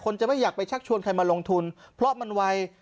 จะไม่อยากไปชักชวนใครมาลงทุนเพราะมันไว